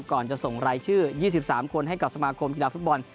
ก่อนจะส่งรายชื่อ๒๓คนให้กับสมาคมกีฬาฟุตบอล